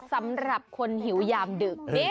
สำหรับคนหิวยามดึก